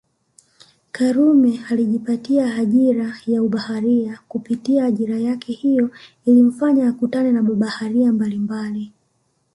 Karume alijipatia ajira ya ubaharia kupitia ajira hiyo ilimfanya akutane na mabaharia mbalimbali